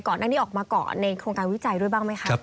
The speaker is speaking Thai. ก่อนหน้านี้ออกมาก่อนในโครงการวิจัยด้วยบ้างไหมคะ